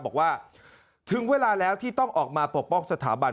บอกว่าถึงเวลาแล้วที่ต้องออกมาปกป้องสถาบัน